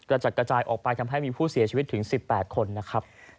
จัดกระจายออกไปทำให้มีผู้เสียชีวิตถึง๑๘คนนะครับ